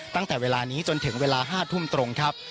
ตั้งแต่เวลานี้จนถึงเวลา๕ทุ่มตรงครับ